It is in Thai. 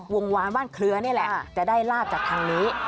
วานบ้านเคลือนี่แหละจะได้ลาบจากทางนี้